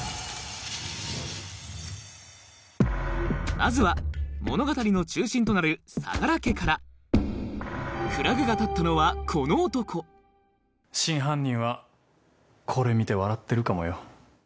まずは物語の中心となる相良家からフラグが立ったのはこの男真犯人はこれ見て笑ってるかもよ。